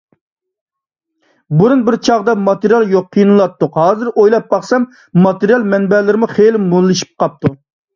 بۇرۇن بىر چاغدا ماتېرىيال يوق قىينىلاتتۇق. ھازىر ئويلاپ باقسام ماتېرىيال مەنبەلىرىمۇ خېلى موللىشىپ قاپتۇ.